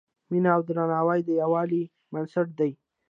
مینه او درناوی د یووالي بنسټ دی.